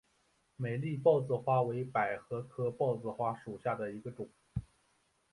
美丽豹子花为百合科豹子花属下的一个种。